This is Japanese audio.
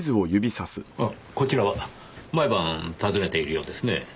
あっこちらは毎晩訪ねているようですねぇ。